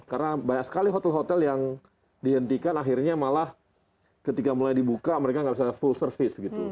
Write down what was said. karena banyak sekali hotel hotel yang dihentikan akhirnya malah ketika mulai dibuka mereka nggak bisa full service gitu